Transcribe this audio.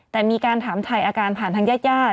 แต่มีการถามไทยอาการผ่านทางยาด